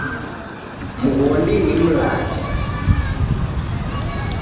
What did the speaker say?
Mghondi ni mlacha.